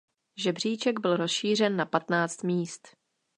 Žebříček byl rozšířen na patnáct míst.